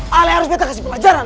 hah alet harus beta kasih pelajaran